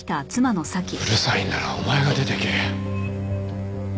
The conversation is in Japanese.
うるさいならお前が出ていけ。